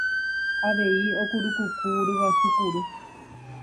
avei okurukuku ryguasu kuru